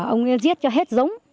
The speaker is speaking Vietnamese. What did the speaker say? ông giết cho hết giống